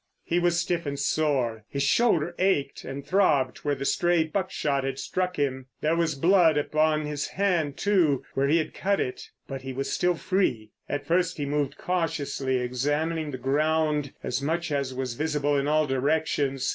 He was stiff and sore. His shoulder ached and throbbed where the stray buckshot had struck him. There was blood upon his hand, too, where he had cut it. But he was still free. At first he moved cautiously, examining the country as much as was visible in all directions.